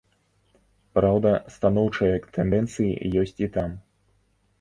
Праўда, станоўчыя тэндэнцыі ёсць і там.